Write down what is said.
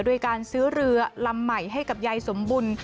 โดยการซื้อเรือลำใหม่ให้กับยายสมบุญ